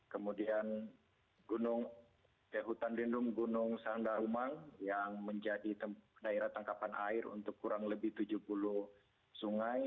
kemudian gunung ya hutan dindung gunung sandarumang yang menjadi daerah tangkapan air untuk kurang lebih tujuh puluh sungai